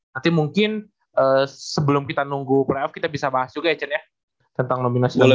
nanti mungkin sebelum kita nunggu playoff kita bisa bahas juga ya chan ya tentang nominasi dolar